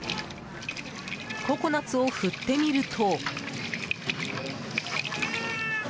ココナツを振ってみると。